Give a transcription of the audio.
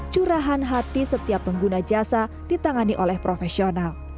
curahan hati setiap pengguna jasa ditangani oleh profesional